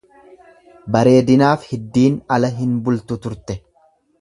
Bareedinaaf hiddiin ala hinbultu turte.